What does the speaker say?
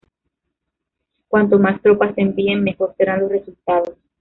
Cuanto más tropas se envíen mejor serán los resultados.